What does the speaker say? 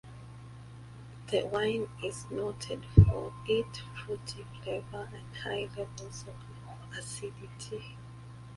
The wine is noted for it fruity flavor and high levels of acidity.